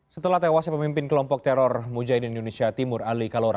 setelah tewasnya pemimpin kelompok teror mujahidin indonesia timur ali kalora